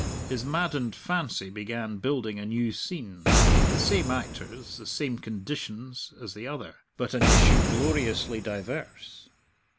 His maddened fancy began building a new scene, with the same actors, the same conditions, as the other, but an issue gloriously diverse.